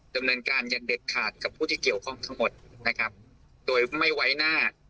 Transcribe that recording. ดำเนินการอย่างเด็ดขาดกับผู้ที่เกี่ยวข้องทั้งหมดนะครับโดยไม่ไว้หน้า